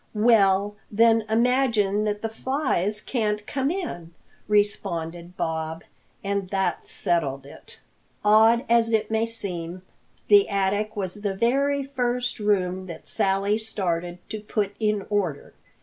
"Well, then imagine that the flies can't come in," responded Bob. And that settled it. Odd as it may seem, the attic was the very first room that Sally started to put in order.